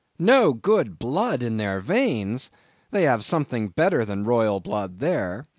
No good blood in their veins? They have something better than royal blood there.